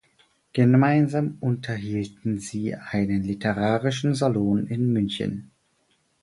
Gemeinsam unterhielten sie einen literarischen Salon in München.